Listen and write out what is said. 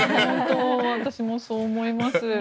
私もそう思います。